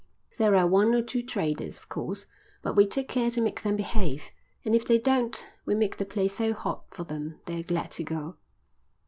There are one or two traders, of course, but we take care to make them behave, and if they don't we make the place so hot for them they're glad to go."